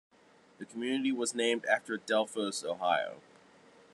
The community was named after Delphos, Ohio.